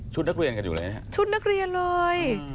นักเรียนกันอยู่เลยฮะชุดนักเรียนเลย